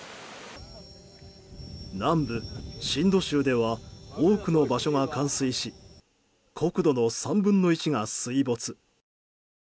南部シンド州では多くの場所が冠水し国土の３分の１が水没。